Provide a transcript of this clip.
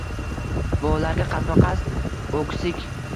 Va ularga qasdma-qasd oʼksik